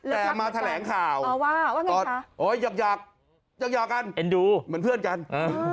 แต่มาแถลงข่าวโอ้ยักษ์ยักษ์ยักษ์กันเหมือนเพื่อนกันแนนดู